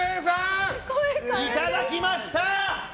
いただきました。